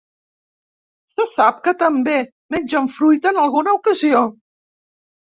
Se sap que també mengen fruita en alguna ocasió.